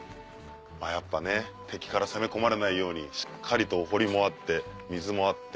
やっぱ敵から攻め込まれないようにしっかりとお堀もあって水もあって。